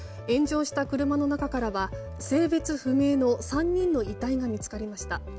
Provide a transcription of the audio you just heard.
炎上した車の中からは性別不明の３人の遺体が見つかりました。